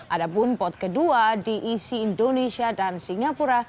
ada pun pot kedua diisi indonesia dan singapura